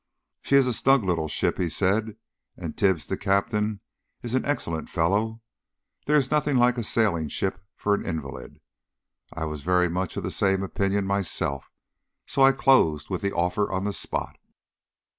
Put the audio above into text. "She is a snug little ship," he said, "and Tibbs, the captain, is an excellent fellow. There is nothing like a sailing ship for an invalid." I was very much of the same opinion myself, so I closed with the offer on the spot.